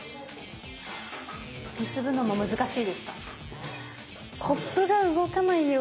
結ぶのも難しいですか？